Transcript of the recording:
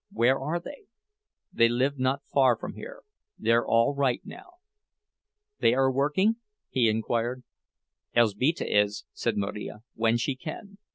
"Where are they?" "They live not far from here. They're all right now." "They are working?" he inquired. "Elzbieta is," said Marija, "when she can.